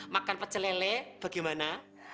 makan pecelele bagaimana